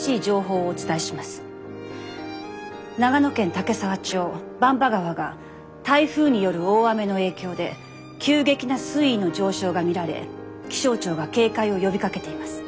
長野県岳沢町番場川が台風による大雨の影響で急激な水位の上昇が見られ気象庁が警戒を呼びかけています。